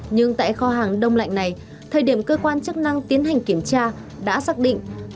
nhưng tại kho hàng đông lạnh này thời điểm cơ quan chức năng tiến hành kiểm tra đã xác định